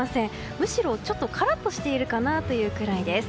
むしろちょっとカラッとしているかなというくらいです。